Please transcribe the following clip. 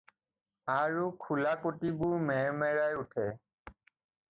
আৰু খোলাকটিবোৰ মেৰ্মেৰাই উঠে।